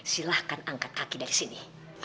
silahkan angkat kaki dari sini